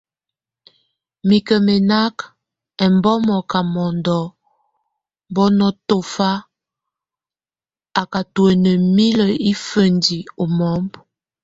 Mike mɛnak, embɔmɔ ka mombo bɔ́ŋɔ tofa, a katuene mil ífendi o momb.